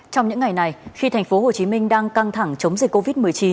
trong những ngày này khi thành phố hồ chí minh đang căng thẳng chống dịch covid một mươi chín